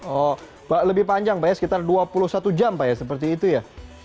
oh lebih panjang pak ya sekitar dua puluh satu jam pak ya seperti itu ya